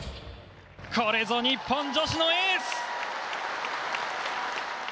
これぞ日本女子のエース！